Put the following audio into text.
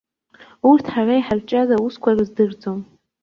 Урҭ ҳара иҳарҿиаз аусқәа рыздырӡом.